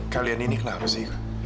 kalian ini kenapa sih